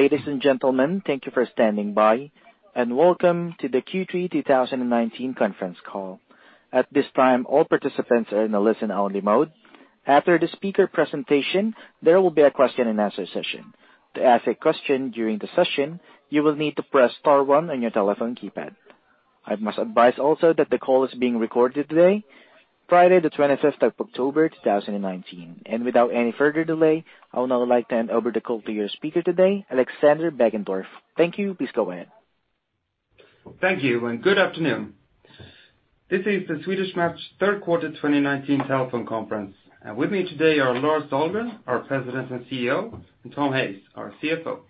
Ladies and gentlemen, thank you for standing by, and welcome to the Q3 2019 conference call. At this time, all participants are in a listen-only mode. After the speaker presentation, there will be a question and answer session. To ask a question during the session, you will need to press star one on your telephone keypad. I must advise also that the call is being recorded today, Friday the 25th of October, 2019. Without any further delay, I would now like to hand over the call to your speaker today, Alexander Beggendorf. Thank you. Please go ahead. Thank you, and good afternoon. This is the Swedish Match third quarter 2019 telephone conference. With me today are Lars Dahlgren, our President and CEO, and Thomas Hayes, our CFO.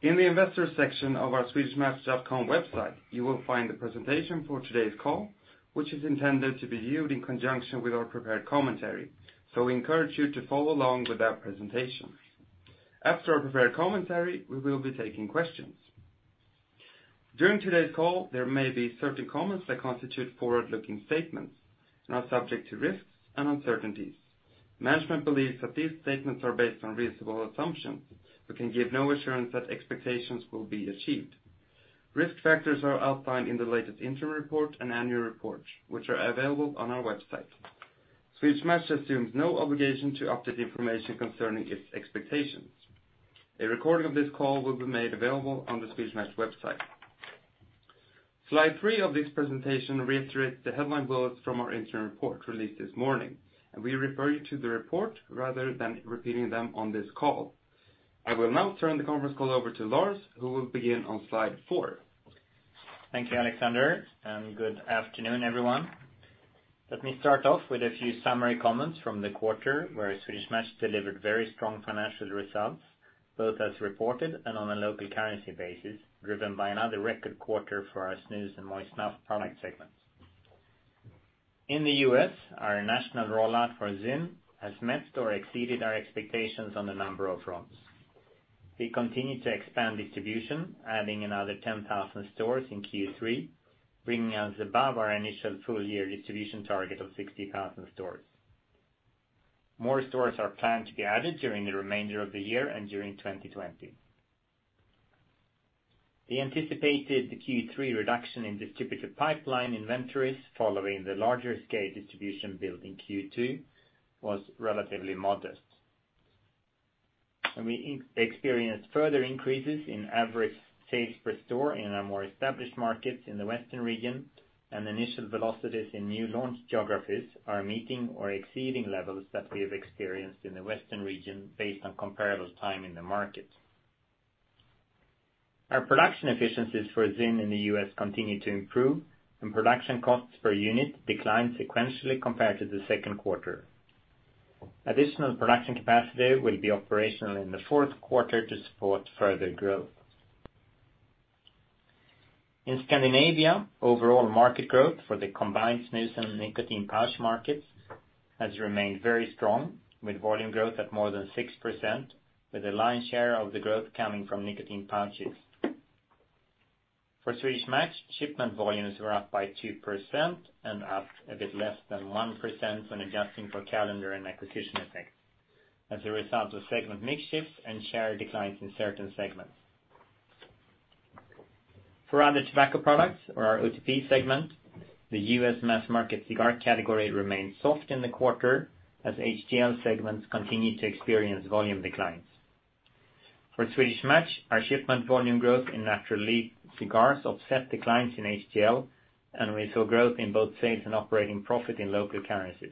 In the Investors section of our swedishmatch.com website, you will find the presentation for today's call, which is intended to be viewed in conjunction with our prepared commentary. We encourage you to follow along with that presentation. After our prepared commentary, we will be taking questions. During today's call, there may be certain comments that constitute forward-looking statements now subject to risks and uncertainties. Management believes that these statements are based on reasonable assumptions. We can give no assurance that expectations will be achieved. Risk factors are outlined in the latest interim report and annual reports, which are available on our website. Swedish Match assumes no obligation to update information concerning its expectations. A recording of this call will be made available on the Swedish Match website. Slide three of this presentation reiterates the headline bullets from our interim report released this morning. We refer you to the report rather than repeating them on this call. I will now turn the conference call over to Lars, who will begin on slide four. Thank you, Alexander. Good afternoon, everyone. Let me start off with a few summary comments from the quarter where Swedish Match delivered very strong financial results, both as reported and on a local currency basis, driven by another record quarter for our snus and moist snuff product segments. In the U.S., our national rollout for ZYN has met or exceeded our expectations on the number of runs. We continue to expand distribution, adding another 10,000 stores in Q3, bringing us above our initial full-year distribution target of 60,000 stores. More stores are planned to be added during the remainder of the year and during 2020. The anticipated Q3 reduction in distributor pipeline inventories following the larger scale distribution build in Q2 was relatively modest. We experienced further increases in average sales per store in our more established markets in the Western region, and initial velocities in new launch geographies are meeting or exceeding levels that we have experienced in the Western region based on comparable time in the market. Our production efficiencies for ZYN in the U.S. continue to improve, and production costs per unit declined sequentially compared to the second quarter. Additional production capacity will be operational in the fourth quarter to support further growth. In Scandinavia, overall market growth for the combined snus and nicotine pouch markets has remained very strong, with volume growth at more than 6%, with a lion's share of the growth coming from nicotine pouches. For Swedish Match, shipment volumes were up by 2% and up a bit less than 1% when adjusting for calendar and acquisition effects as a result of segment mix shifts and share declines in certain segments. For other tobacco products or our OTP segment, the U.S. mass market cigar category remained soft in the quarter as HTL segments continued to experience volume declines. For Swedish Match, our shipment volume growth in natural leaf cigars offset declines in HTL, and we saw growth in both sales and operating profit in local currencies.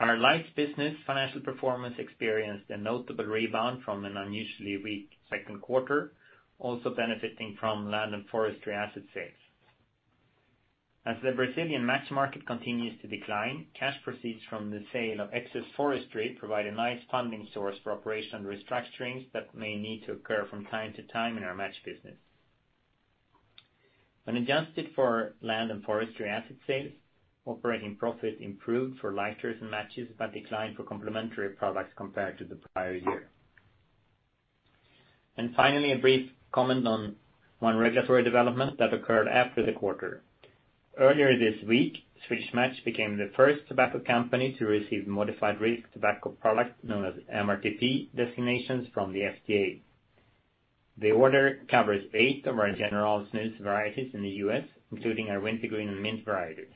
Our lights business financial performance experienced a notable rebound from an unusually weak second quarter, also benefiting from land and forestry asset sales. As the Brazilian match market continues to decline, cash proceeds from the sale of excess forestry provide a nice funding source for operational restructurings that may need to occur from time to time in our match business. When adjusted for land and forestry asset sales, operating profit improved for lighters and matches, but declined for complementary products compared to the prior year. Finally, a brief comment on one regulatory development that occurred after the quarter. Earlier this week, Swedish Match became the first tobacco company to receive modified risk tobacco product, known as MRTP designations from the FDA. The order covers 8 of our General Snus varieties in the U.S., including our Wintergreen and Mint varieties.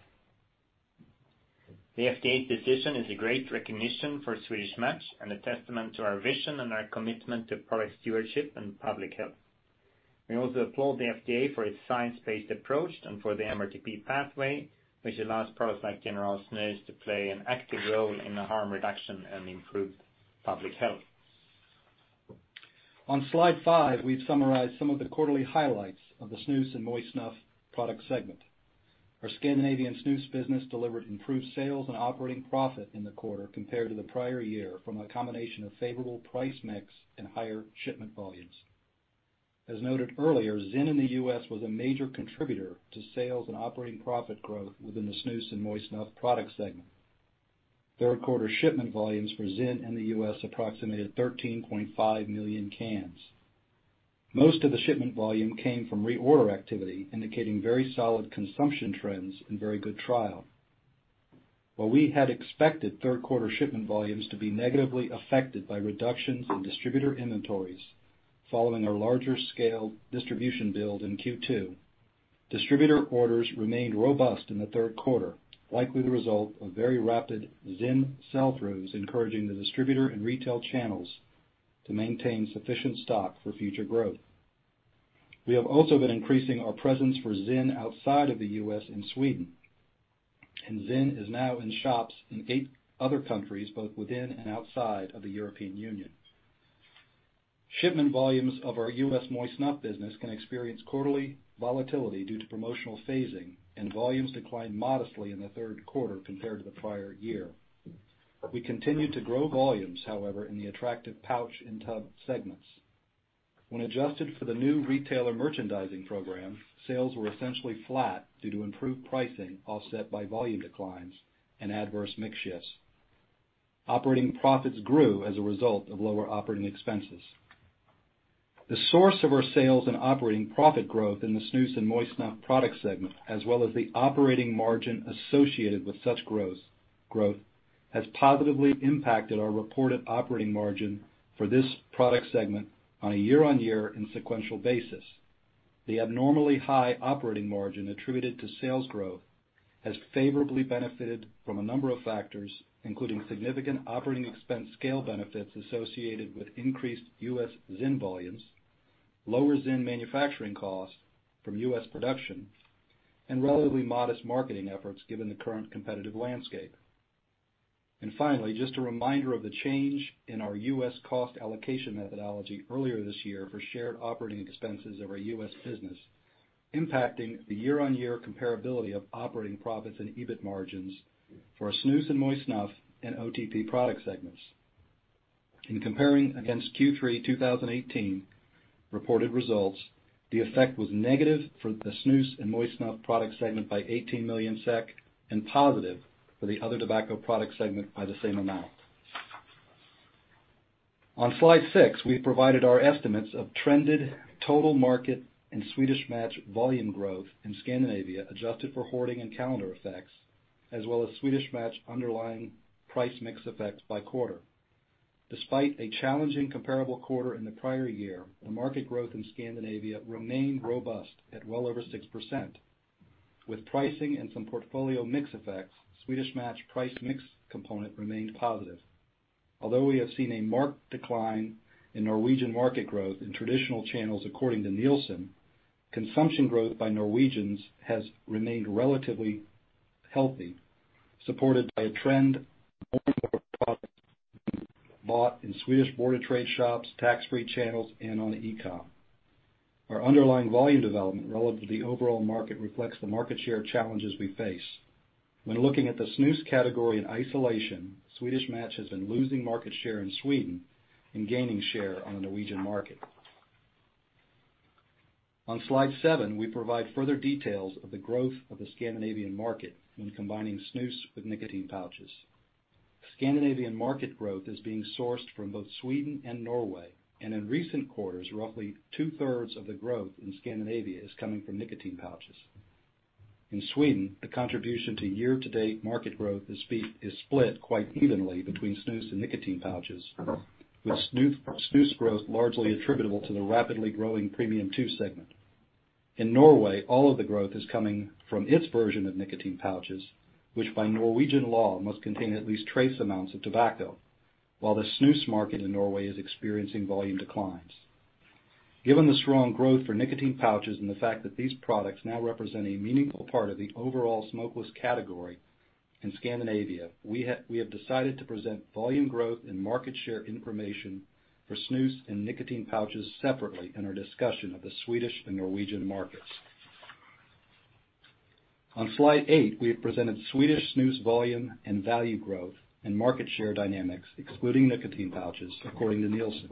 The FDA's decision is a great recognition for Swedish Match and a testament to our vision and our commitment to product stewardship and public health. We also applaud the FDA for its science-based approach and for the MRTP pathway, which allows products like General Snus to play an active role in the harm reduction and improved public health. On! slide five, we've summarized some of the quarterly highlights of the snus and moist snuff product segment. Our Scandinavian snus business delivered improved sales and operating profit in the quarter compared to the prior year from a combination of favorable price mix and higher shipment volumes. As noted earlier, ZYN in the U.S. was a major contributor to sales and operating profit growth within the snus and moist snuff product segment. Third quarter shipment volumes for ZYN in the U.S. approximated 13.5 million cans. Most of the shipment volume came from reorder activity, indicating very solid consumption trends and very good trial. While we had expected third quarter shipment volumes to be negatively affected by reductions in distributor inventories following a larger scale distribution build in Q2, distributor orders remained robust in the third quarter, likely the result of very rapid ZYN sell-throughs encouraging the distributor and retail channels to maintain sufficient stock for future growth. We have also been increasing our presence for ZYN outside of the U.S. and Sweden, and ZYN is now in shops in eight other countries, both within and outside of the European Union. Shipment volumes of our U.S. moist snuff business can experience quarterly volatility due to promotional phasing, and volumes declined modestly in the third quarter compared to the prior year. We continued to grow volumes, however, in the attractive pouch and tub segments. When adjusted for the new retailer merchandising program, sales were essentially flat due to improved pricing offset by volume declines and adverse mix shifts. Operating profits grew as a result of lower operating expenses. The source of our sales and operating profit growth in the snus and moist snuff product segment, as well as the operating margin associated with such growth, has positively impacted our reported operating margin for this product segment on a year-on-year and sequential basis. The abnormally high operating margin attributed to sales growth has favorably benefited from a number of factors, including significant operating expense scale benefits associated with increased U.S. ZYN volumes, lower ZYN manufacturing costs from U.S. production, and relatively modest marketing efforts given the current competitive landscape. Just a reminder of the change in our U.S. cost allocation methodology earlier this year for shared operating expenses of our U.S. business, impacting the year-on-year comparability of operating profits and EBIT margins for our snus and moist snuff and OTP product segments. In comparing against Q3 2018 reported results, the effect was negative for the snus and moist snuff product segment by 18 million SEK, and positive for the other tobacco product segment by the same amount. On! slide six, we've provided our estimates of trended total market and Swedish Match volume growth in Scandinavia, adjusted for hoarding and calendar effects, as well as Swedish Match underlying price mix effects by quarter. Despite a challenging comparable quarter in the prior year, the market growth in Scandinavia remained robust at well over 6%. With pricing and some portfolio mix effects, Swedish Match price mix component remained positive. Although we have seen a marked decline in Norwegian market growth in traditional channels according to Nielsen, consumption growth by Norwegians has remained relatively healthy, supported by a trend bought in Swedish border trade shops, tax-free channels, and on e-com. Our underlying volume development relative to the overall market reflects the market share challenges we face. When looking at the snus category in isolation, Swedish Match has been losing market share in Sweden and gaining share on the Norwegian market. On! slide seven, we provide further details of the growth of the Scandinavian market when combining snus with nicotine pouches. Scandinavian market growth is being sourced from both Sweden and Norway, and in recent quarters, roughly two-thirds of the growth in Scandinavia is coming from nicotine pouches. In Sweden, the contribution to year-to-date market growth is split quite evenly between snus and nicotine pouches, with snus growth largely attributable to the rapidly growing Premium 2 segment. In Norway, all of the growth is coming from its version of nicotine pouches, which by Norwegian law must contain at least trace amounts of tobacco while the snus market in Norway is experiencing volume declines. Given the strong growth for nicotine pouches and the fact that these products now represent a meaningful part of the overall smokeless category in Scandinavia, we have decided to present volume growth and market share information for snus and nicotine pouches separately in our discussion of the Swedish and Norwegian markets. On slide eight, we have presented Swedish snus volume and value growth and market share dynamics excluding nicotine pouches, according to Nielsen.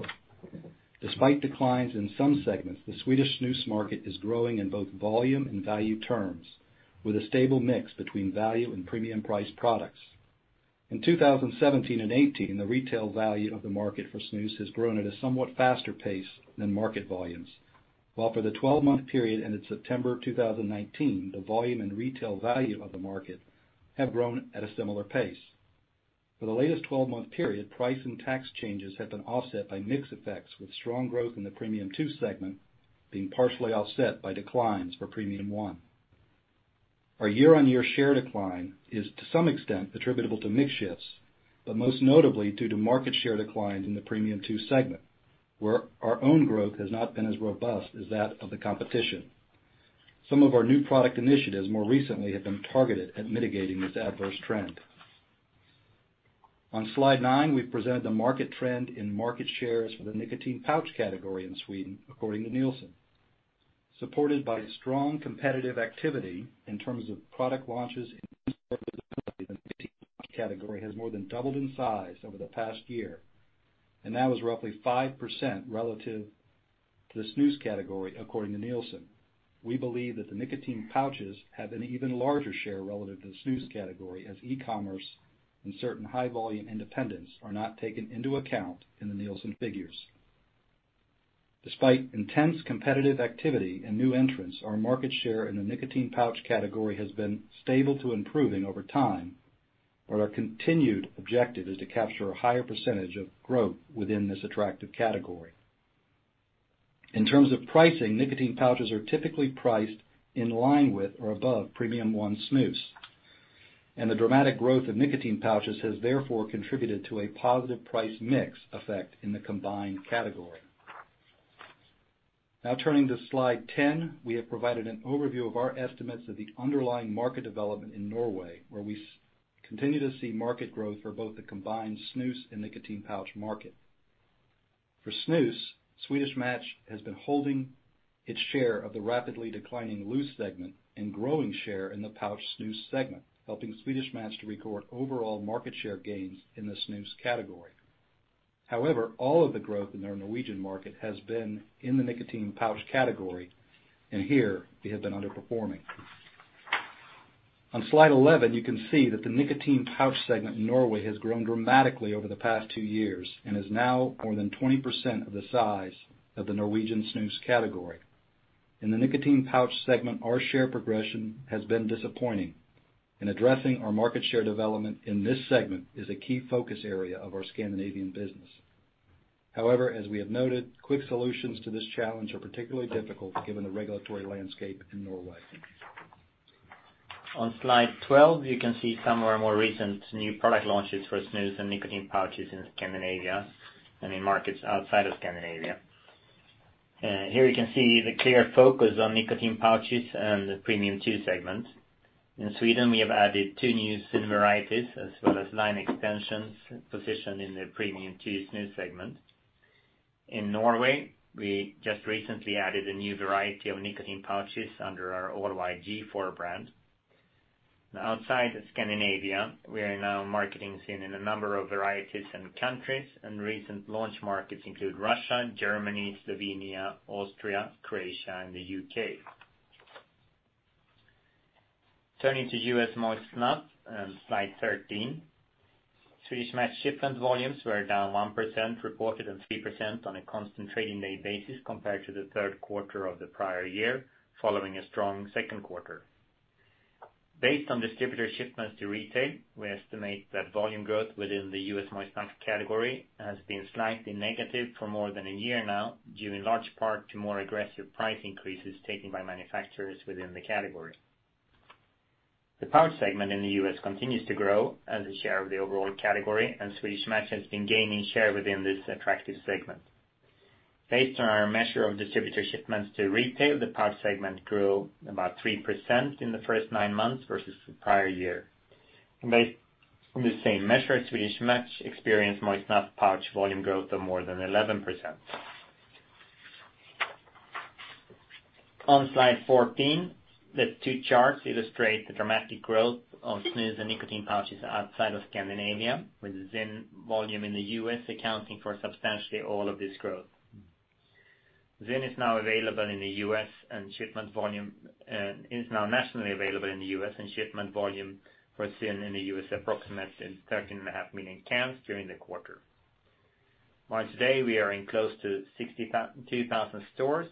Despite declines in some segments, the Swedish snus market is growing in both volume and value terms, with a stable mix between value and premium priced products. In 2017 and 2018, the retail value of the market for snus has grown at a somewhat faster pace than market volumes, while for the 12-month period ended September 2019, the volume and retail value of the market have grown at a similar pace. For the latest 12-month period, price and tax changes have been offset by mix effects, with strong growth in the Premium 2 segment being partially offset by declines for Premium 1. Our year-on-year share decline is to some extent attributable to mix shifts, but most notably due to market share declines in the Premium 2 segment, where our own growth has not been as robust as that of the competition. Some of our new product initiatives more recently have been targeted at mitigating this adverse trend. On! slide nine, we've presented the market trend in market shares for the nicotine pouch category in Sweden, according to Nielsen. Supported by strong competitive activity in terms of product launches category has more than doubled in size over the past year, and that was roughly 5% relative to the snus category, according to Nielsen. We believe that the nicotine pouches have an even larger share relative to the snus category, as e-commerce and certain high-volume independents are not taken into account in the Nielsen figures. Despite intense competitive activity and new entrants, our market share in the nicotine pouch category has been stable to improving over time, our continued objective is to capture a higher percentage of growth within this attractive category. In terms of pricing, nicotine pouches are typically priced in line with or above Premium 1 snus. The dramatic growth of nicotine pouches has therefore contributed to a positive price mix effect in the combined category. Now turning to slide 10, we have provided an overview of our estimates of the underlying market development in Norway, where we continue to see market growth for both the combined snus and nicotine pouch market. For snus, Swedish Match has been holding its share of the rapidly declining loose segment and growing share in the pouch snus segment, helping Swedish Match to record overall market share gains in the snus category. However, all of the growth in our Norwegian market has been in the nicotine pouch category, and here they have been underperforming. On! slide 11, you can see that the nicotine pouch segment in Norway has grown dramatically over the past two years and is now more than 20% of the size of the Norwegian snus category. In the nicotine pouch segment, our share progression has been disappointing, and addressing our market share development in this segment is a key focus area of our Scandinavian business. However, as we have noted, quick solutions to this challenge are particularly difficult given the regulatory landscape in Norway. On! slide 12, you can see some of our more recent new product launches for snus and nicotine pouches in Scandinavia and in markets outside of Scandinavia. Here you can see the clear focus on nicotine pouches and the Premium 2 segment. In Sweden, we have added two new ZYN varieties as well as line extensions positioned in the Premium 2 snus segment. In Norway, we just recently added a new variety of nicotine pouches under our G.4 brand. Outside of Scandinavia, we are now marketing ZYN in a number of varieties and countries and recent launch markets include Russia, Germany, Slovenia, Austria, Croatia, and the U.K. Turning to U.S. moist snuff on slide 13. Swedish Match shipment volumes were down 1%, reported on 3% on a constant trading day basis compared to the third quarter of the prior year, following a strong second quarter. Based on distributor shipments to retail, we estimate that volume growth within the U.S. moist snuff category has been slightly negative for more than a year now, due in large part to more aggressive price increases taken by manufacturers within the category. The pouch segment in the U.S. continues to grow as a share of the overall category, and Swedish Match has been gaining share within this attractive segment. Based on our measure of distributor shipments to retail, the pouch segment grew about 3% in the first nine months versus the prior year. Based on the same measure, Swedish Match experienced moist snuff pouch volume growth of more than 11%. On! slide 14, the two charts illustrate the dramatic growth of snus and nicotine pouches outside of Scandinavia, with ZYN volume in the U.S. accounting for substantially all of this growth. ZYN is now available in the U.S. Shipment volume for ZYN in the U.S. approximated 13.5 million cans during the quarter. By today, we are in close to 62,000 stores.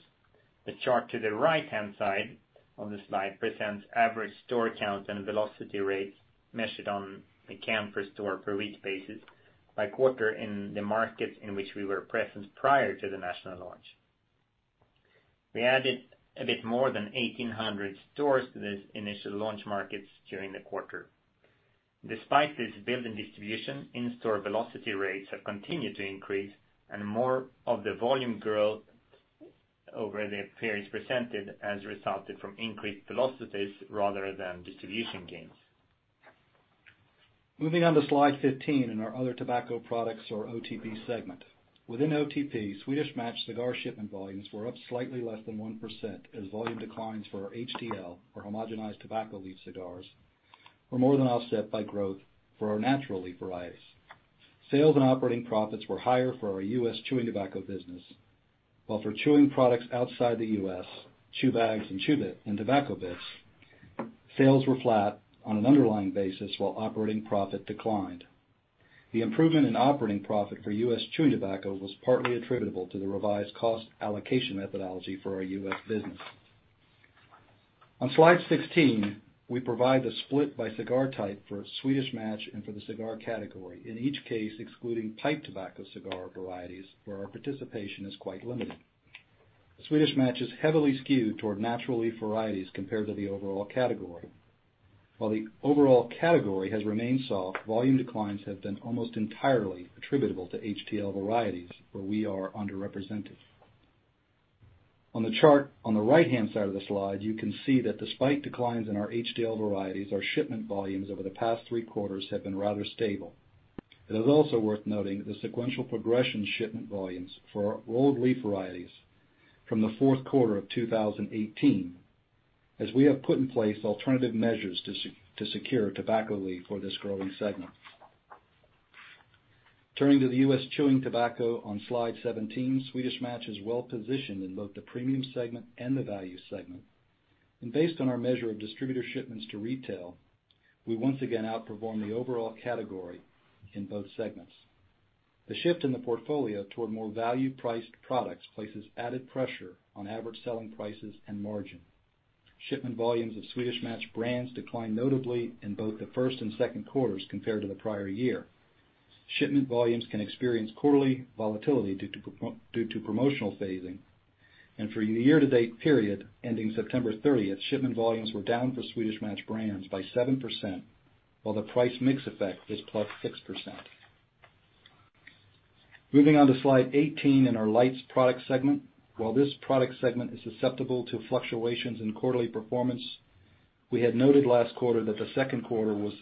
The chart to the right-hand side of the slide presents average store counts and velocity rates measured on a can per store per week basis by quarter in the markets in which we were present prior to the national launch. We added a bit more than 1,800 stores to these initial launch markets during the quarter. Despite this build in distribution, in-store velocity rates have continued to increase and more of the volume growth over the periods presented has resulted from increased velocities rather than distribution gains. Moving on to slide 15 in our Other Tobacco Products or OTP segment. Within OTP, Swedish Match cigar shipment volumes were up slightly less than 1% as volume declines for our HTL or homogenized tobacco leaf cigars were more than offset by growth for our natural leaf varieties. Sales and operating profits were higher for our U.S. chewing tobacco business. For chewing products outside the U.S., chew bags and tobacco bits, sales were flat on an underlying basis while operating profit declined. The improvement in operating profit for U.S. chewing tobacco was partly attributable to the revised cost allocation methodology for our U.S. business. On slide 16, we provide the split by cigar type for Swedish Match and for the cigar category, in each case excluding type tobacco cigar varieties where our participation is quite limited. Swedish Match is heavily skewed toward natural leaf varieties compared to the overall category. While the overall category has remained soft, volume declines have been almost entirely attributable to HTL varieties where we are underrepresented. On the chart on the right-hand side of the slide, you can see that despite declines in our HTL varieties, our shipment volumes over the past three quarters have been rather stable. It is also worth noting the sequential progression shipment volumes for our rolled leaf varieties from the fourth quarter of 2018, as we have put in place alternative measures to secure tobacco leaf for this growing segment. Turning to the U.S. chewing tobacco on slide 17, Swedish Match is well positioned in both the premium segment and the value segment. Based on our measure of distributor shipments to retail, we once again outperformed the overall category in both segments. The shift in the portfolio toward more value-priced products places added pressure on average selling prices and margin. Shipment volumes of Swedish Match brands declined notably in both the first and second quarters compared to the prior year. Shipment volumes can experience quarterly volatility due to promotional phasing. For the year-to-date period ending September 30th, shipment volumes were down for Swedish Match brands by 7%, while the price mix effect is +6%. Moving on to slide 18 in our lights product segment. While this product segment is susceptible to fluctuations in quarterly performance, we had noted last quarter that the second quarter's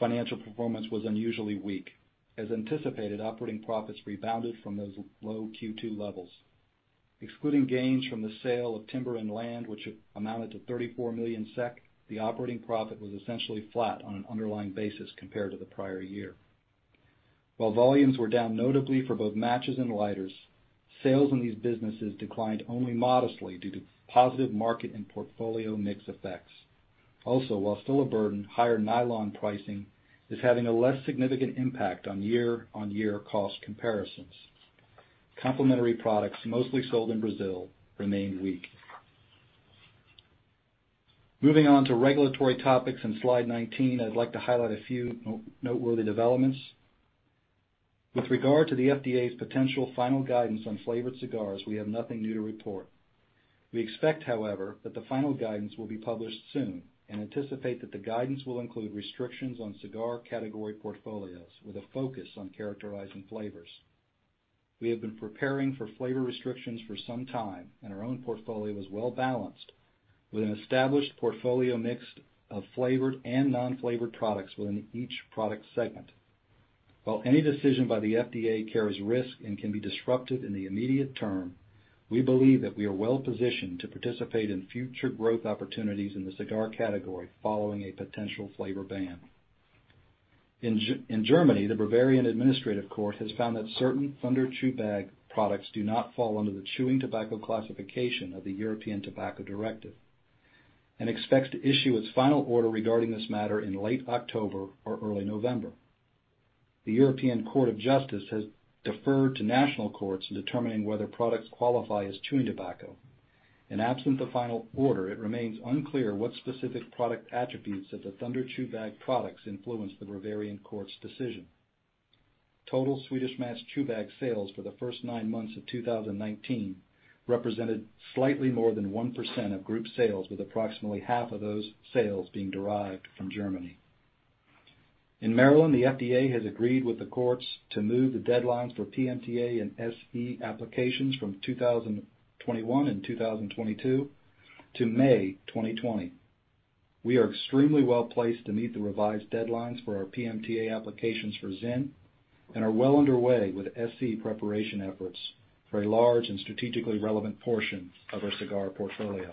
financial performance was unusually weak. As anticipated, operating profits rebounded from those low Q2 levels. Excluding gains from the sale of timber and land, which amounted to 34 million SEK, the operating profit was essentially flat on an underlying basis compared to the prior year. While volumes were down notably for both matches and lighters, sales in these businesses declined only modestly due to positive market and portfolio mix effects. Also, while still a burden, higher nylon pricing is having a less significant impact on year-on-year cost comparisons. Complementary products, mostly sold in Brazil, remained weak. Moving on to regulatory topics on slide 19, I'd like to highlight a few noteworthy developments. With regard to the FDA's potential final guidance on flavored cigars, we have nothing new to report. We expect, however, that the final guidance will be published soon and anticipate that the guidance will include restrictions on cigar category portfolios with a focus on characterizing flavors. Our own portfolio is well-balanced with an established portfolio mix of flavored and non-flavored products within each product segment. While any decision by the FDA carries risk and can be disruptive in the immediate term, we believe that we are well positioned to participate in future growth opportunities in the cigar category following a potential flavor ban. In Germany, the Higher Administrative Court of Bavaria has found that certain Thunder chew bag products do not fall under the chewing tobacco classification of the European Tobacco Products Directive and expects to issue its final order regarding this matter in late October or early November. The Court of Justice of the European Union has deferred to national courts in determining whether products qualify as chewing tobacco. Absent the final order, it remains unclear what specific product attributes of the Thunder chew bag products influenced the Bavarian court's decision. Total Swedish Match chew bag sales for the first nine months of 2019 represented slightly more than 1% of group sales, with approximately half of those sales being derived from Germany. In Maryland, the FDA has agreed with the courts to move the deadlines for PMTA and SE applications from 2021 and 2022 to May 2020. We are extremely well-placed to meet the revised deadlines for our PMTA applications for ZYN and are well underway with SE preparation efforts for a large and strategically relevant portion of our cigar portfolio.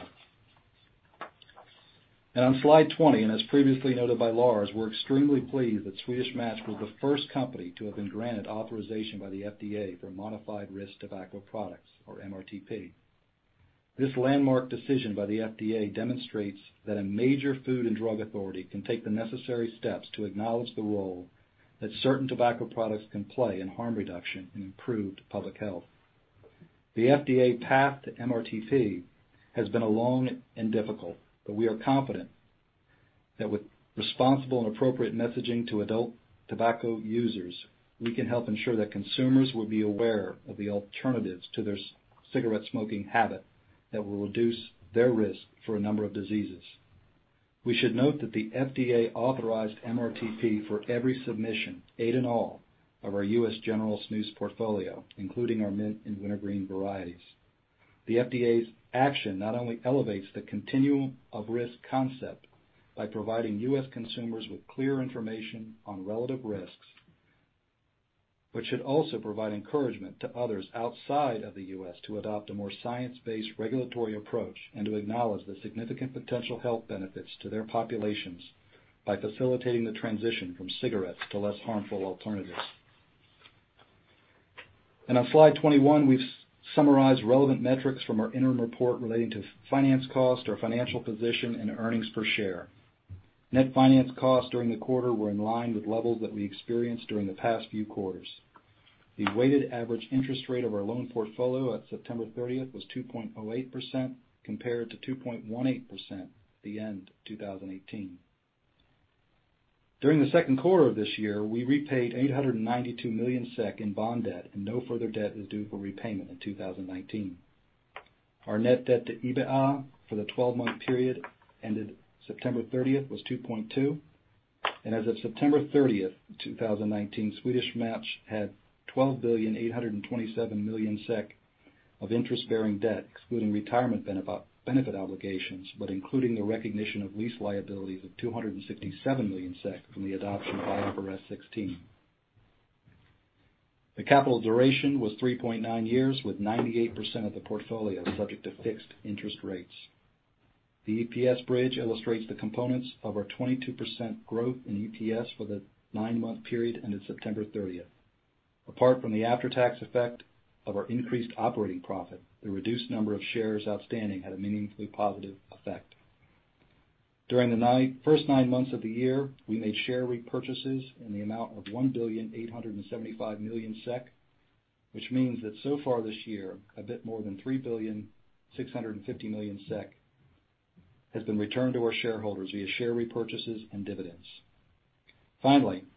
On slide 20, and as previously noted by Lars, we're extremely pleased that Swedish Match was the first company to have been granted authorization by the FDA for modified risk tobacco products or MRTP. This landmark decision by the FDA demonstrates that a major food and drug authority can take the necessary steps to acknowledge the role that certain tobacco products can play in harm reduction and improved public health. The FDA path to MRTP has been a long and difficult, but we are confident that with responsible and appropriate messaging to adult tobacco users, we can help ensure that consumers will be aware of the alternatives to their cigarette smoking habit that will reduce their risk for a number of diseases. We should note that the FDA authorized MRTP for every submission, eight in all, of our U.S. General Snus portfolio, including our Mint and Wintergreen varieties. The FDA's action not only elevates the continuum of risk concept by providing U.S. consumers with clear information on relative risks, but should also provide encouragement to others outside of the U.S. to adopt a more science-based regulatory approach and to acknowledge the significant potential health benefits to their populations by facilitating the transition from cigarettes to less harmful alternatives. On slide 21, we've summarized relevant metrics from our interim report relating to finance cost, our financial position, and earnings per share. Net finance costs during the quarter were in line with levels that we experienced during the past few quarters. The weighted average interest rate of our loan portfolio at September 30th was 2.08%, compared to 2.18% at the end of 2018. During the second quarter of this year, we repaid 892 million SEK in bond debt, and no further debt is due for repayment in 2019. Our net debt to EBITDA for the 12-month period ended September 30th was 2.2. As of September 30th, 2019, Swedish Match had 12,827,000,000 SEK of interest-bearing debt, excluding retirement benefit obligations, but including the recognition of lease liabilities of 267 million SEK from the adoption of IFRS 16. The capital duration was 3.9 years, with 98% of the portfolio subject to fixed interest rates. The EPS bridge illustrates the components of our 22% growth in EPS for the nine-month period ended September 30th. Apart from the after-tax effect of our increased operating profit, the reduced number of shares outstanding had a meaningfully positive effect. During the first nine months of the year, we made share repurchases in the amount of 1,875,000,000 SEK, which means that so far this year, a bit more than 3,650,000,000 SEK has been returned to our shareholders via share repurchases and dividends.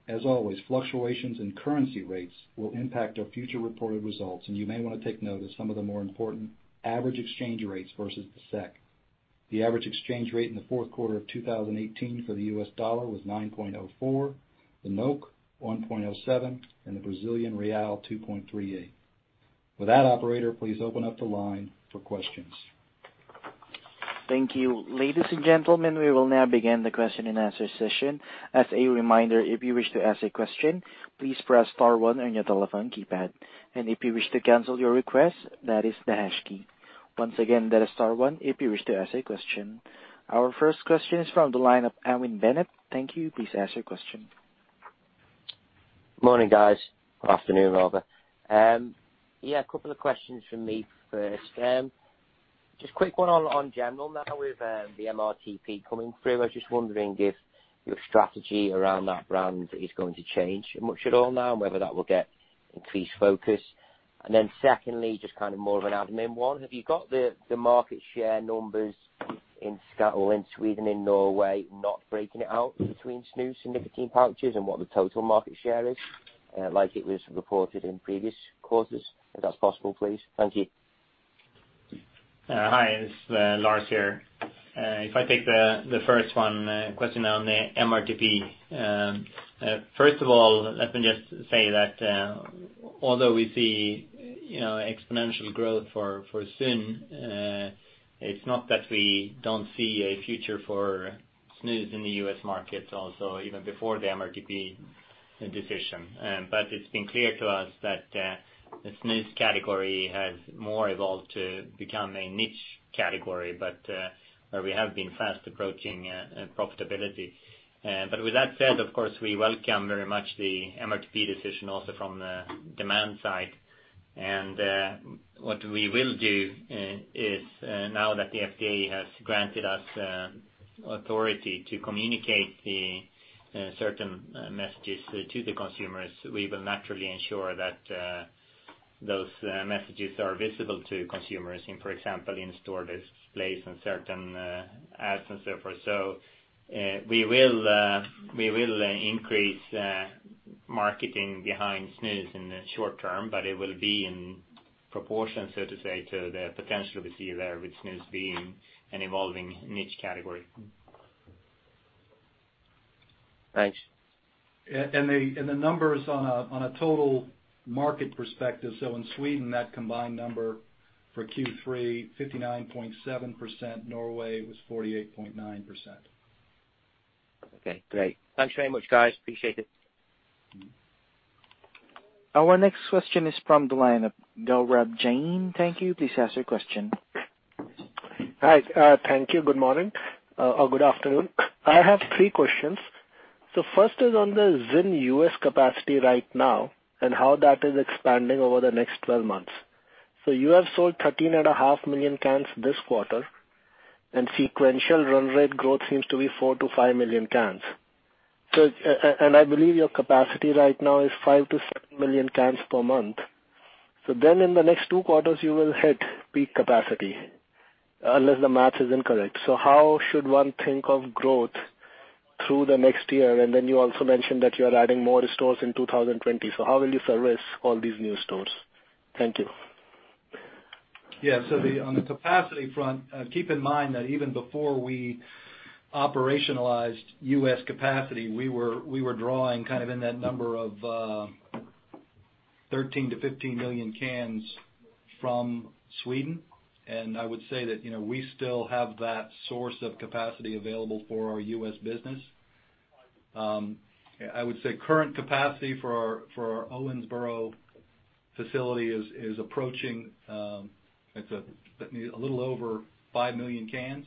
As always, fluctuations in currency rates will impact our future reported results, and you may want to take note of some of the more important average exchange rates versus the SEK. The average exchange rate in the fourth quarter of 2018 for the US dollar was 9.04, the NOK 1.07, and the Brazilian real, 2.38. With that, operator, please open up the line for questions. Thank you. Ladies and gentlemen, we will now begin the question and answer session. As a reminder, if you wish to ask a question, please press star one on your telephone keypad. If you wish to cancel your request, that is the hash key. Once again, that is star one if you wish to ask a question. Our first question is from the line of Owen Bennett. Thank you. Please ask your question. Morning, guys. Afternoon, rather. Yeah, a couple of questions from me first. Just a quick one on General Snus now with the MRTP coming through. I was just wondering if your strategy around that brand is going to change much at all now and whether that will get increased focus. Then secondly, just more of an admin one. Have you got the market share numbers in Sweden and Norway not breaking it out between snus and nicotine pouches and what the total market share is, like it was reported in previous quarters, if that's possible, please. Thank you. Hi, it's Lars here. If I take the first one, question on the MRTP. First of all, let me just say that although we see exponential growth for ZYN, it's not that we don't see a future for snus in the U.S. market also, even before the MRTP decision. It's been clear to us that the snus category has more evolved to become a niche category, but where we have been fast approaching profitability. With that said, of course, we welcome very much the MRTP decision also from the demand side. What we will do is now that the FDA has granted us authority to communicate certain messages to the consumers, we will naturally ensure that those messages are visible to consumers in, for example, in store displays and certain ads and so forth. We will increase marketing behind snus in the short term, but it will be in proportion, so to say, to the potential we see there with snus being an evolving niche category. Thanks. The numbers on a total market perspective. In Sweden, that combined number for Q3, 59.7%, Norway was 48.9%. Okay, great. Thanks very much, guys. Appreciate it. Our next question is from the line of Gaurav Jain. Thank you. Please ask your question. Hi. Thank you. Good morning, or good afternoon. I have three questions. First is on the ZYN U.S. capacity right now and how that is expanding over the next 12 months. You have sold 13.5 million cans this quarter, and sequential run rate growth seems to be 4 million-5 million cans. I believe your capacity right now is 5 million-7 million cans per month. In the next two quarters, you will hit peak capacity, unless the math is incorrect. How should one think of growth through the next year? You also mentioned that you're adding more stores in 2020. How will you service all these new stores? Thank you. On the capacity front, keep in mind that even before we operationalized U.S. capacity, we were drawing in that number of 13 to 15 million cans from Sweden. I would say that we still have that source of capacity available for our U.S. business. I would say current capacity for our Owensboro facility is approaching a little over five million cans,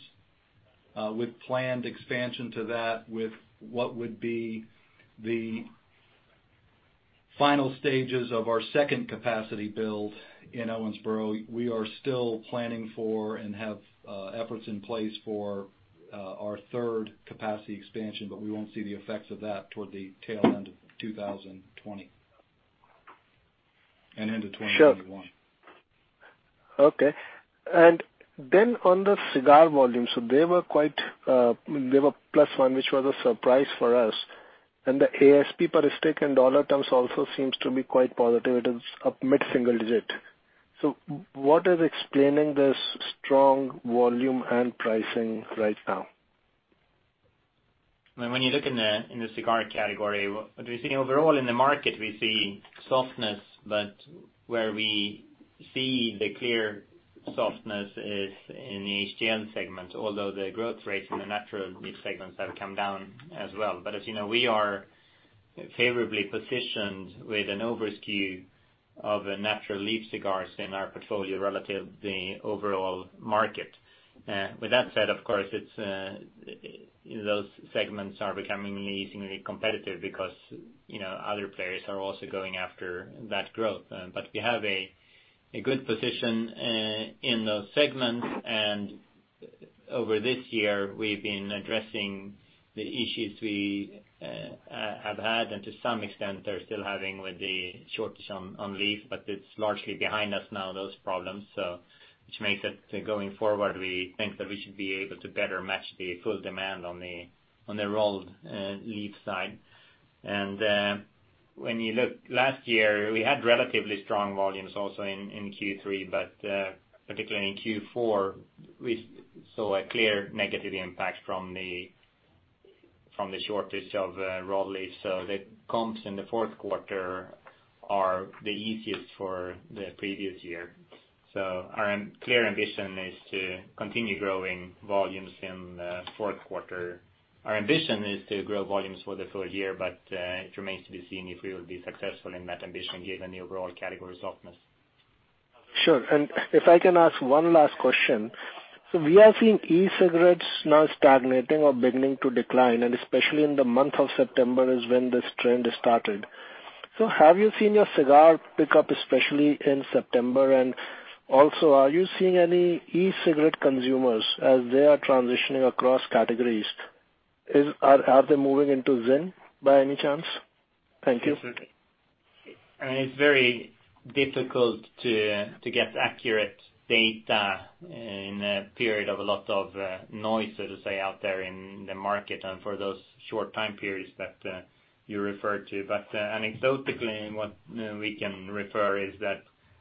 with planned expansion to that with what would be the final stages of our second capacity build in Owensboro. We are still planning for and have efforts in place for our third capacity expansion, we won't see the effects of that toward the tail end of 2020 and into 2021. Sure. Okay. On the cigar volume, they were plus one, which was a surprise for us. The ASP per stick in dollar terms also seems to be quite positive. It is up mid-single digit. What is explaining this strong volume and pricing right now? When you look in the cigar category, what we see overall in the market, we see softness, where we see the clear softness is in the HTL segment, although the growth rates in the natural niche segments have come down as well. As you know, we are favorably positioned with an overskew of natural leaf cigars in our portfolio relative to the overall market. With that said, of course, those segments are becomingly seemingly competitive because other players are also going after that growth. We have a good position in those segments, over this year, we've been addressing the issues we have had, to some extent, are still having with the shortage on leaf, it's largely behind us now, those problems. Which makes it, going forward, we think that we should be able to better match the full demand on the rolled leaf side. When you look last year, we had relatively strong volumes also in Q3, but particularly in Q4, we saw a clear negative impact from the shortage of raw leaf. The comps in the fourth quarter are the easiest for the previous year. Our clear ambition is to continue growing volumes in the fourth quarter. Our ambition is to grow volumes for the full year, but it remains to be seen if we will be successful in that ambition given the overall category softness. Sure. If I can ask one last question. We are seeing e-cigarettes now stagnating or beginning to decline, and especially in the month of September is when this trend started. Have you seen your cigar pick up, especially in September? Also, are you seeing any e-cigarette consumers as they are transitioning across categories? Are they moving into ZYN by any chance? Thank you. It's very difficult to get accurate data in a period of a lot of noise, so to say, out there in the market and for those short time periods that you referred to. Anecdotally, what we can refer is that,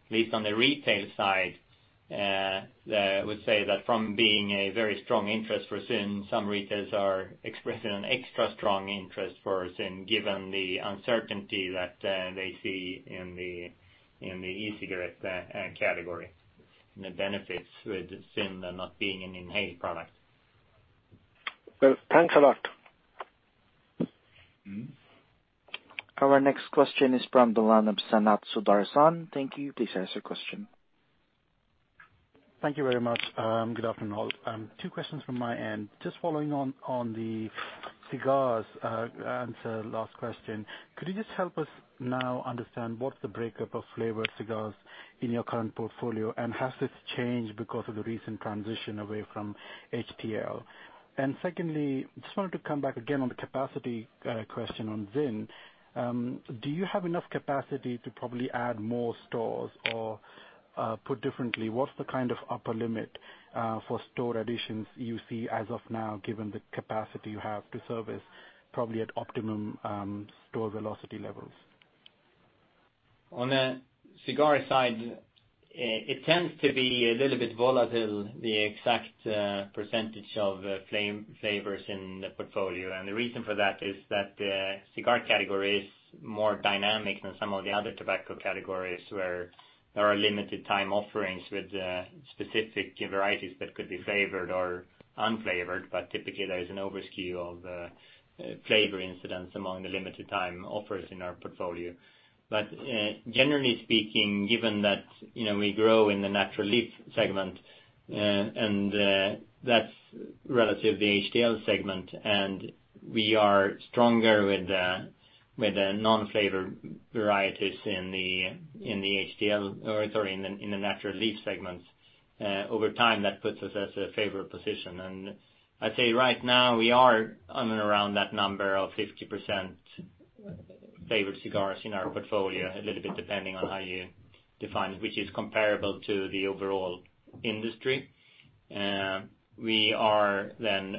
at least on the retail side, I would say that from being a very strong interest for ZYN, some retailers are expressing an extra strong interest for ZYN, given the uncertainty that they see in the e-cigarette category and the benefits with ZYN not being an inhaled product. Well, thanks a lot. Our next question is from Sanath Sudarsan. Thank you. Please ask your question. Thank you very much. Good afternoon all. Two questions from my end. Just following on the cigars answer, last question. Could you just help us now understand what's the breakup of flavored cigars in your current portfolio, and has this changed because of the recent transition away from HTL? Secondly, just wanted to come back again on the capacity question on ZYN. Do you have enough capacity to probably add more stores? Put differently, what's the kind of upper limit for store additions you see as of now, given the capacity you have to service probably at optimum store velocity levels? On! the cigar side, it tends to be a little bit volatile, the exact % of flavors in the portfolio. The reason for that is that the cigar category is more dynamic than some of the other tobacco categories, where there are limited time offerings with specific varieties that could be flavored or unflavored. Typically, there is an over-skew of flavor incidents among the limited time offers in our portfolio. Generally speaking, given that we grow in the natural leaf segment, and that's relative to the HTL segment, and we are stronger with the non-flavored varieties in the HTL, or sorry, in the natural leaf segments. Over time, that puts us at a favored position. I'd say right now, we are on and around that number of 50% flavored cigars in our portfolio, a little bit depending on how you define it, which is comparable to the overall industry. We are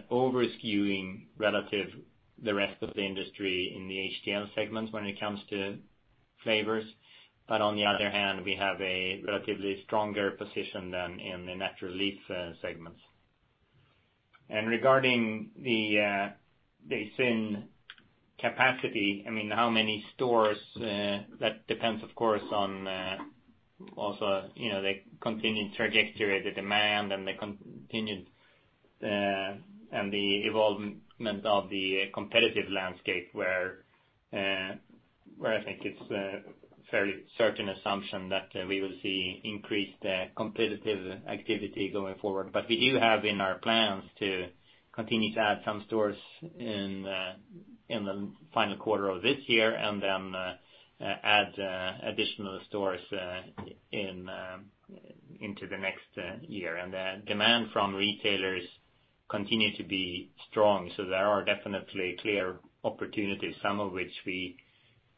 over-skewing relative the rest of the industry in the HTL segments when it comes to flavors. On the other hand, we have a relatively stronger position than in the natural leaf segments. Regarding the ZYN capacity, how many stores? That depends, of course, on also the continued trajectory of the demand and the continued evolvement of the competitive landscape, where I think it's a fairly certain assumption that we will see increased competitive activity going forward. We do have in our plans to continue to add some stores in the final quarter of this year and then add additional stores into the next year. The demand from retailers continue to be strong. There are definitely clear opportunities, some of which we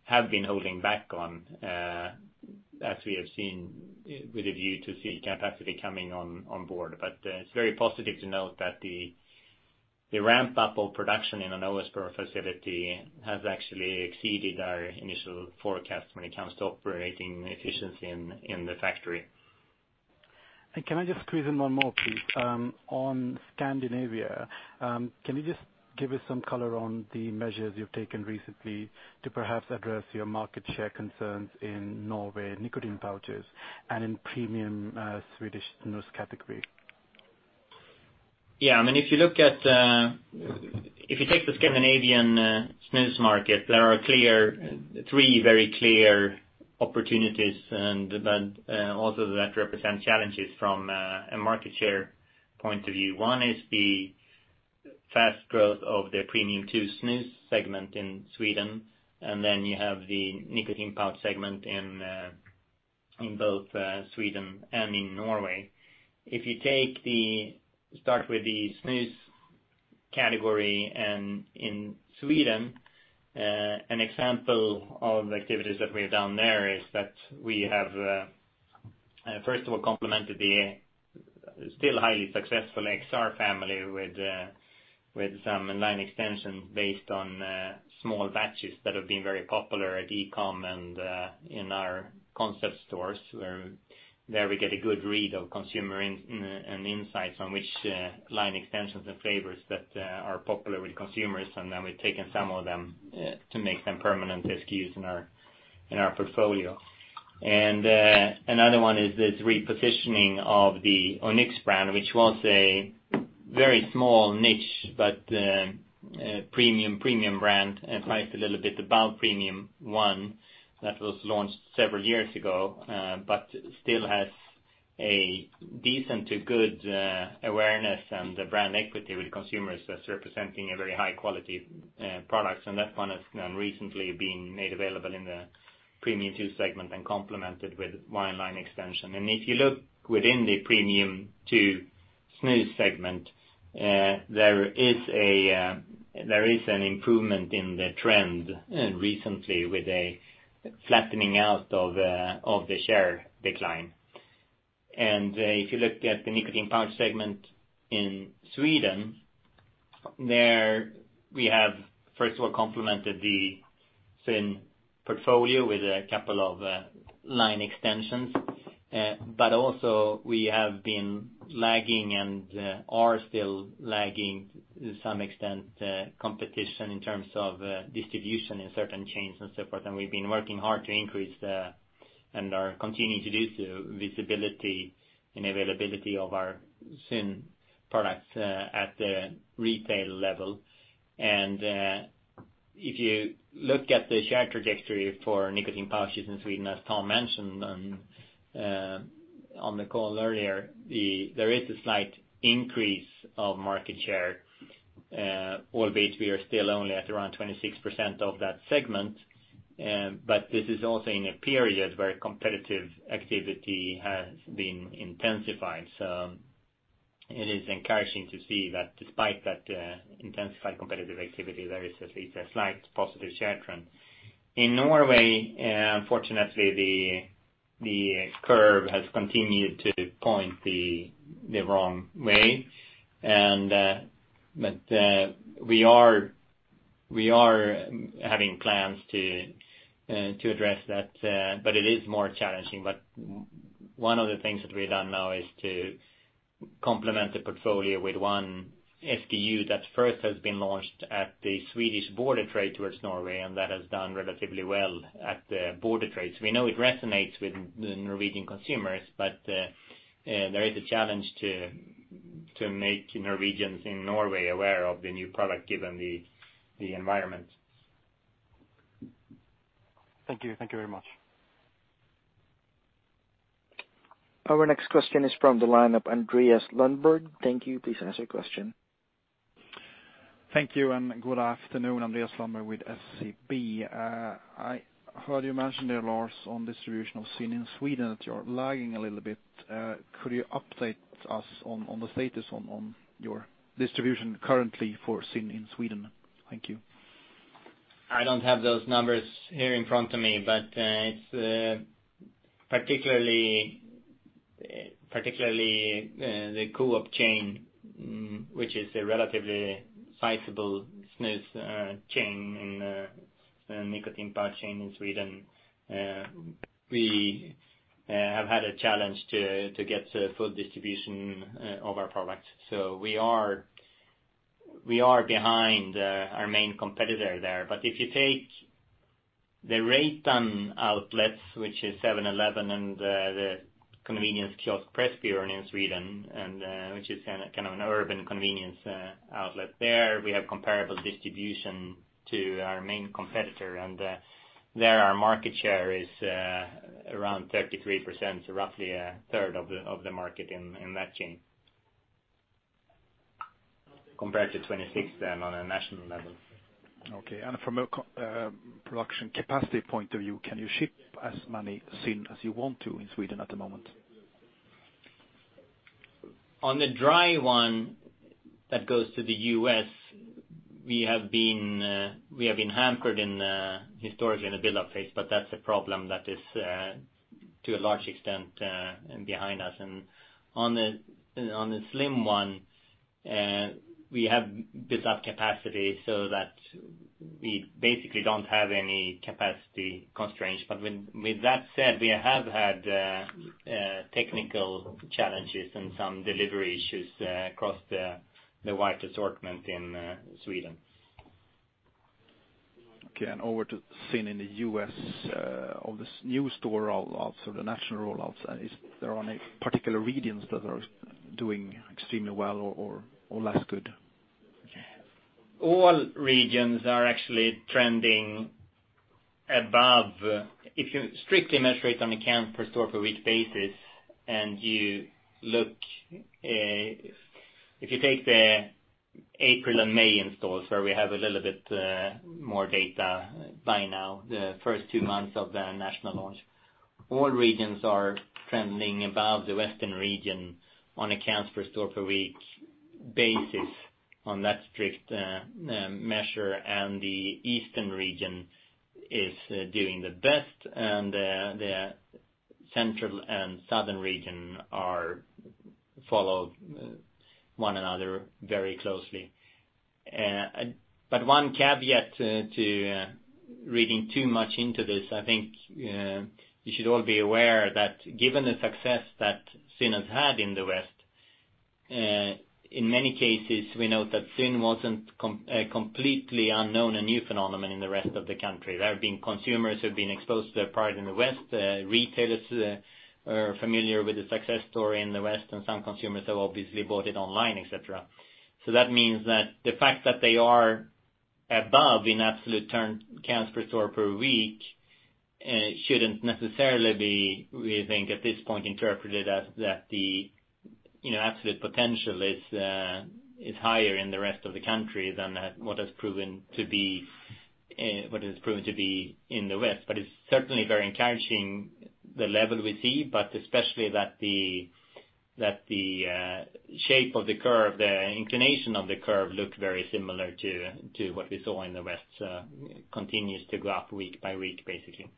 have been holding back on, as we have seen with a view to see capacity coming on board. It's very positive to note that the ramp-up of production in the Owensboro facility has actually exceeded our initial forecast when it comes to operating efficiency in the factory. Can I just squeeze in one more, please? On! Scandinavia, can you just give us some color on the measures you've taken recently to perhaps address your market share concerns in Norway nicotine pouches and in premium Swedish snus category? Yeah. If you take the Scandinavian snus market, there are three very clear opportunities, but also that represent challenges from a market share point of view. One is the fast growth of the Premium 2 snus segment in Sweden. Then you have the nicotine pouch segment in both Sweden and in Norway. If you start with the snus category in Sweden, an example of activities that we've done there is that we have, first of all, complemented the still highly successful XR family with some line extensions based on small batches that have been very popular at e-com and in our concept stores, where there we get a good read of consumer and insights on which line extensions and flavors that are popular with consumers. Then we've taken some of them to make them permanent SKUs in our portfolio. Another one is this repositioning of the Onyx brand, which was a very small niche, but a premium brand and priced a little bit above Premium 1 that was launched several years ago, but still has a decent to good awareness and brand equity with consumers as representing a very high-quality product. That one has now recently been made available in the Premium 2 segment and complemented with one line extension. If you look within the Premium 2 snus segment, there is an improvement in the trend recently with a flattening out of the share decline. If you look at the nicotine pouch segment in Sweden, there we have, first of all, complemented the ZYN portfolio with a couple of line extensions. Also we have been lagging and are still lagging to some extent, competition in terms of distribution in certain chains and so forth. We've been working hard to increase that and are continuing to do so, visibility and availability of our ZYN products at the retail level. If you look at the share trajectory for nicotine pouches in Sweden, as Tom mentioned on the call earlier, there is a slight increase of market share, albeit we are still only at around 26% of that segment. This is also in a period where competitive activity has been intensified. It is encouraging to see that despite that intensified competitive activity, there is at least a slight positive share trend. In Norway, unfortunately, the curve has continued to point the wrong way. We are having plans to address that. It is more challenging. One of the things that we've done now is to complement the portfolio with one SKU that first has been launched at the Swedish border trade towards Norway, and that has done relatively well at the border trades. We know it resonates with the Norwegian consumers, but there is a challenge to make Norwegians in Norway aware of the new product, given the environment. Thank you. Thank you very much. Our next question is from the line of Andreas Lundberg. Thank you. Please ask your question. Thank you. Good afternoon. Andreas Lundberg with SEB. I heard you mention there, Lars, on distribution of ZYN in Sweden that you're lagging a little bit. Could you update us on the status on your distribution currently for ZYN in Sweden? Thank you. I don't have those numbers here in front of me, but it's particularly the Coop chain, which is a relatively sizable snus chain and nicotine pouch chain in Sweden. We have had a challenge to get full distribution of our product. We are behind our main competitor there. If you take the Reitan outlets, which is 7-Eleven and the convenience kiosk Pressbyrån in Sweden, which is an urban convenience outlet there, we have comparable distribution to our main competitor. There our market share is around 33%, so roughly a third of the market in that chain, compared to 26% on a national level. Okay. From a production capacity point of view, can you ship as many ZYN as you want to in Sweden at the moment? On! the dry one that goes to the U.S., we have been hampered historically in the build-up phase but that's a problem that is to a large extent behind us. On the slim one, we have built up capacity so that we basically don't have any capacity constraints. With that said, we have had technical challenges and some delivery issues across the wide assortment in Sweden. Over to ZYN in the U.S. of this new store of sort of national rollouts. Is there any particular regions that are doing extremely well or less good? All regions are actually trending above. If you strictly measure it on account per store per week basis, and if you take the April and May installs where we have a little bit more data by now, the first two months of the national launch. All regions are trending above the Western region on accounts per store per week basis on that strict measure, and the Eastern region is doing the best, and the Central and Southern region follow one another very closely. One caveat to reading too much into this, I think, you should all be aware that given the success that ZYN has had in the West, in many cases, we note that ZYN wasn't completely unknown and new phenomenon in the rest of the country. There have been consumers who've been exposed to their product in the West. Retailers are familiar with the success story in the West, and some consumers have obviously bought it online, et cetera. That means that the fact that they are above in absolute term counts per store per week shouldn't necessarily be, we think, at this point, interpreted as that the absolute potential is higher in the rest of the country than what has proven to be in the West. It's certainly very encouraging the level we see, but especially that the shape of the curve, the inclination of the curve looked very similar to what we saw in the West, continues to go up week by week, basically.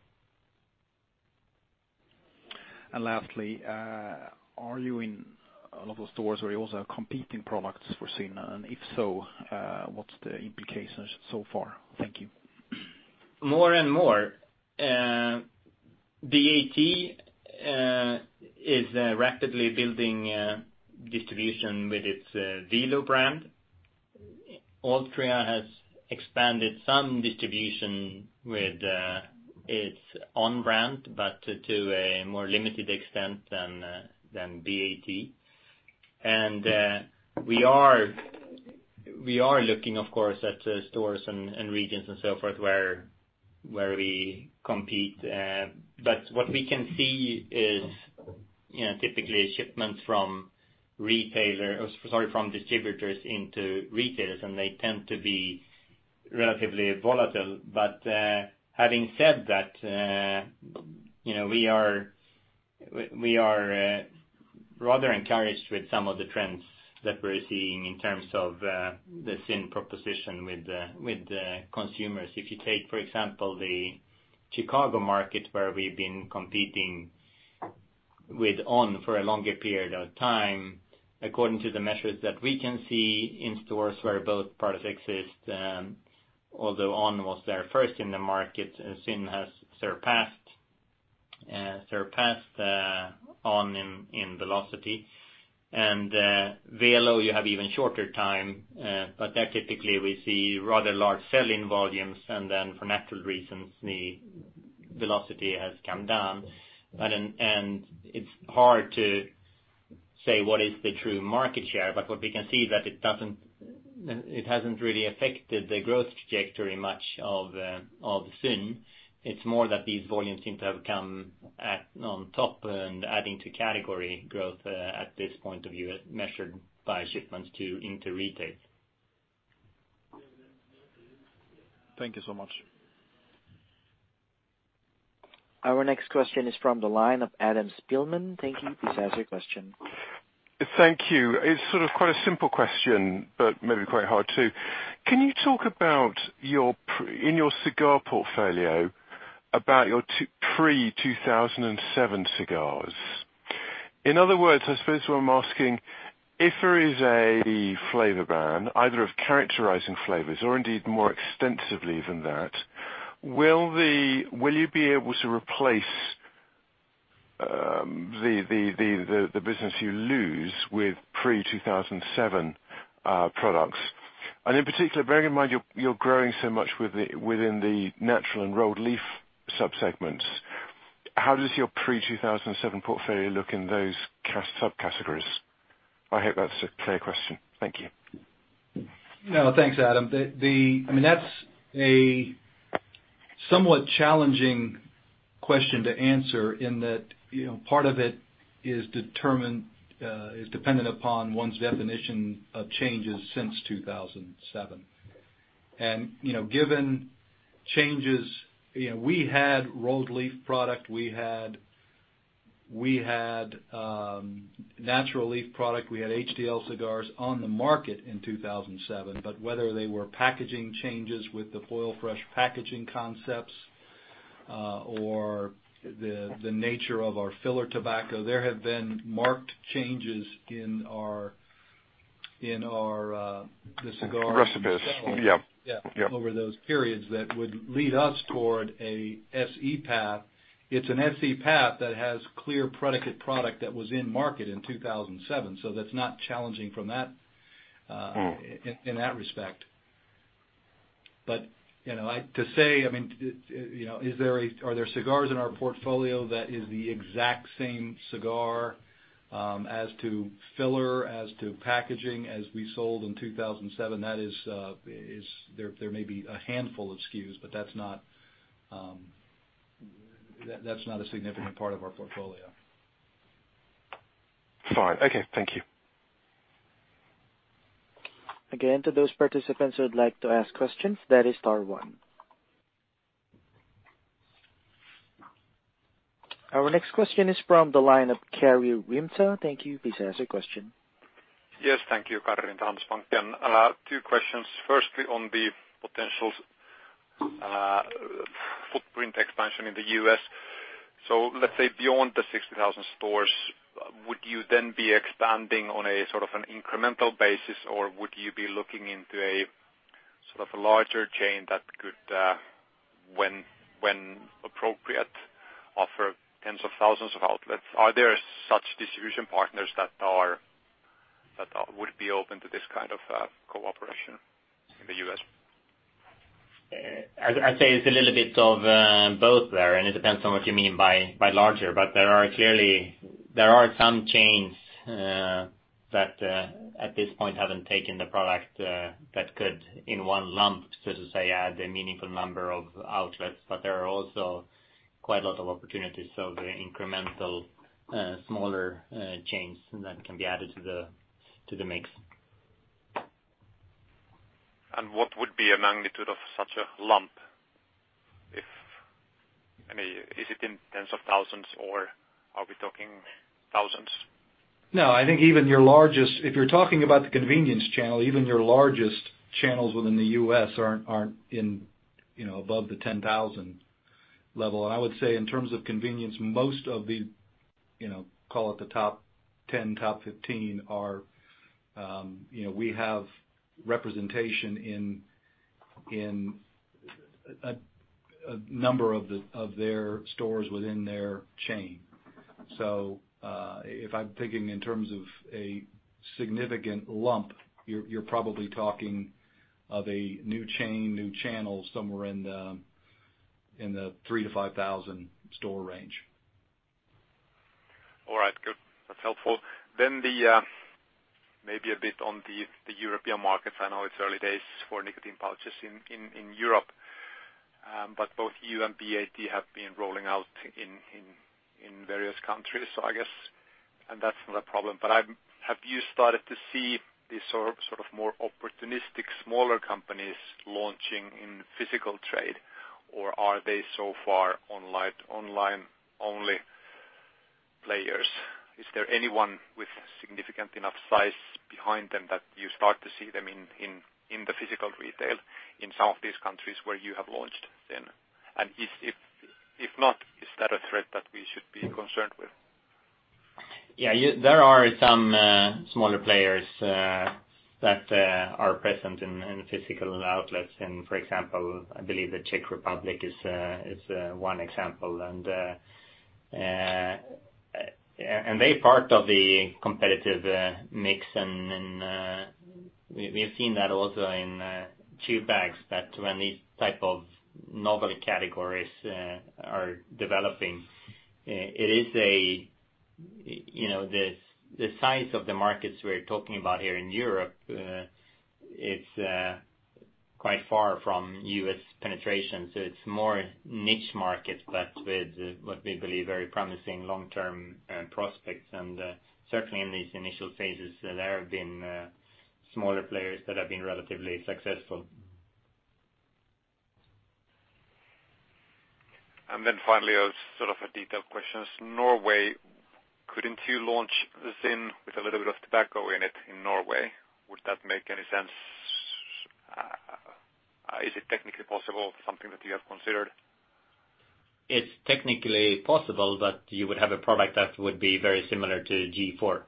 Lastly, are you in a lot of stores where you also have competing products for ZYN? If so, what's the implications so far? Thank you. More and more. BAT is rapidly building distribution with its Velo brand. Altria has expanded some distribution with its own brand, but to a more limited extent than BAT. We are looking, of course, at stores and regions and so forth where we compete. What we can see is typically shipments from distributors into retailers, and they tend to be relatively volatile. Having said that, we are rather encouraged with some of the trends that we're seeing in terms of the Thin proposition with the consumers. If you take, for example, the Chicago market where we've been competing with On! for a longer period of time, according to the measures that we can see in stores where both products exist, although On! was there first in the market, Thin has surpassed On! in velocity. Velo, you have even shorter time, but there typically we see rather large sell-in volumes, then for natural reasons, the velocity has come down. It's hard to say what is the true market share, but what we can see that it hasn't really affected the growth trajectory much of ZYN. It's more that these volumes seem to have come at on top and adding to category growth at this point of view, as measured by shipments into retail. Thank you so much. Our next question is from the line of Adam Spielman. Thank you. Please ask your question. Thank you. It's sort of quite a simple question, but maybe quite hard too. Can you talk about in your cigar portfolio, about your pre-2007 cigars? In other words, I suppose what I'm asking, if there is a flavor ban, either of characterizing flavors or indeed more extensively than that, will you be able to replace the business you lose with pre-2007 products? In particular, bearing in mind you're growing so much within the natural and rolled leaf subsegments, how does your pre-2007 portfolio look in those subcategories? I hope that's a clear question. Thank you. No, thanks, Adam. That's a somewhat challenging question to answer in that part of it is dependent upon one's definition of changes since 2007. Given changes, we had rolled leaf product, we had natural leaf product, we had HTL cigars on the market in 2007, but whether they were packaging changes with the FoilFresh packaging concepts or the nature of our filler tobacco, there have been marked changes in our cigar. Recipes. Yep. Yeah. Yep. Over those periods that would lead us toward a SE path. It's an SE path that has clear predicate product that was in market in 2007, so that's not challenging from that in that respect. To say, are there cigars in our portfolio that is the exact same cigar as to filler, as to packaging, as we sold in 2007? There may be a handful of SKUs, but that's not a significant part of our portfolio. Fine. Okay. Thank you. Again, to those participants who would like to ask questions, that is star one. Our next question is from the line of Karri Rinta. Thank you. Please ask your question. Yes, thank you. Karri Rinta, Handelsbanken. Two questions. Firstly, on the potential footprint expansion in the U.S. Let's say beyond the 60,000 stores, would you then be expanding on a sort of an incremental basis, or would you be looking into a larger chain that could, when appropriate, offer tens of thousands of outlets? Are there such distribution partners that would be open to this kind of cooperation in the U.S.? I'd say it's a little bit of both there, and it depends on what you mean by larger. There are some chains that at this point haven't taken the product that could in one lump, so to say, add a meaningful number of outlets. There are also quite a lot of opportunities, so the incremental smaller chains that can be added to the mix. What would be a magnitude of such a lump? Is it in tens of thousands or are we talking thousands? No, if you're talking about the convenience channel, even your largest channels within the U.S. aren't above the 10,000 level. I would say in terms of convenience, most of the call it the top 10, top 15, we have representation in a number of their stores within their chain. If I'm thinking in terms of a significant lump, you're probably talking of a new chain, new channel somewhere in the 3-5,000 store range. All right, good. That's helpful. Maybe a bit on the European markets. I know it's early days for nicotine pouches in Europe. Both you and BAT have been rolling out in various countries, so I guess that's not a problem. Have you started to see these sort of more opportunistic smaller companies launching in physical trade, or are they so far online-only players? Is there anyone with significant enough size behind them that you start to see them in the physical retail in some of these countries where you have launched then? If not, is that a threat that we should be concerned with? Yeah, there are some smaller players that are present in physical outlets. For example, I believe the Czech Republic is one example. They're part of the competitive mix, and we've seen that also in chew bags, that when these type of novel categories are developing, the size of the markets we're talking about here in Europe, it's quite far from U.S. penetration. It's more niche markets, but with what we believe very promising long-term prospects. Certainly in these initial phases, there have been smaller players that have been relatively successful. Finally, as sort of a detailed question. Couldn't you launch ZYN with a little bit of tobacco in it in Norway? Would that make any sense? Is it technically possible? Something that you have considered? It's technically possible, but you would have a product that would be very similar to G.4.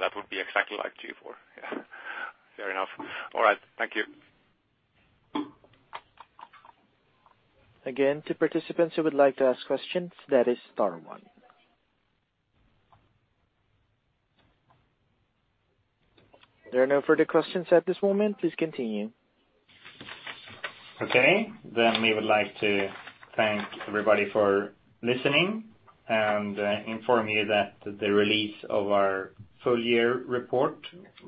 That would be exactly like G.4. Yeah, fair enough. All right. Thank you. Again, to participants who would like to ask questions, that is star one. There are no further questions at this moment. Please continue. Okay. We would like to thank everybody for listening and inform you that the release of our full year report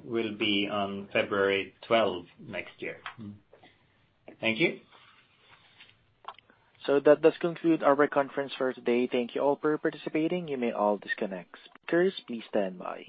will be on February 12 next year. Thank you. That does conclude our conference for today. Thank you all for participating. You may all disconnect. Speakers, please stand by.